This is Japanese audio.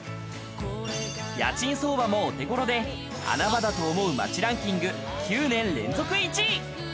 家賃相場もお手ごろで、穴場だと思う街ランキング９年連続１位。